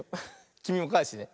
きみもかえしてね。